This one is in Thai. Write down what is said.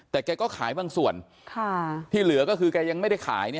แต่แกก็ขายบางส่วนที่เหลือก็คือแกยังไม่ได้ขาย